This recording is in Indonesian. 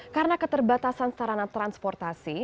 karena keterbatasan sarana transportasi